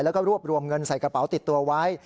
แล้วก็รวบรวมเงินใส่กระเป๋าติดตัวไว้